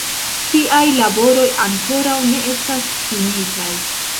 Tiaj laboroj ankoraŭ ne estas finitaj.